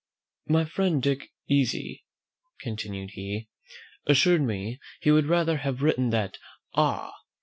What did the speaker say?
"My friend Dick Easy," continued he, "assured me, he would rather have written that Ah!